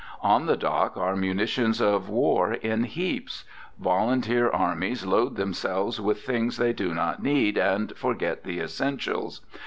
On the dock are munitions of war in heaps. Volunteer armies load themselves with things they do not need, and forget the essentials.